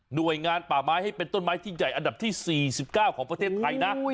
โดยงานป่าไม้ให้เป็นต้นไม้ที่ใหญ่อันดับที่๔๙ของประเทศไทยนะ